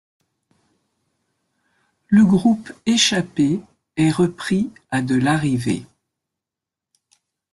Le groupe échappée est repris à de l'arrivée.